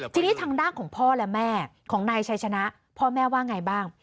ทีนี้ทางด้านของพ่อและแม่ของนายชัยชนะพ่อแม่ว่าไงบ้าง